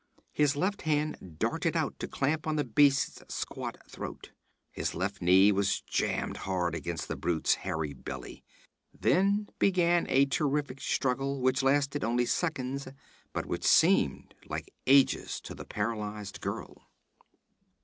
His left hand darted out to clamp on the beast's squat throat, his left knee was jammed hard against the brute's hairy belly. Then began a terrific struggle, which lasted only seconds, but which seemed like ages to the paralyzed girl.